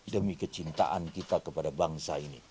demi kecintaan kita kepada bangsa ini